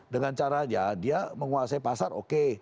dengan caranya dia menguasai pasar oke